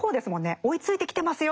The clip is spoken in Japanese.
追いついてきてますよっていう。